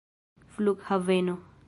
flughaveno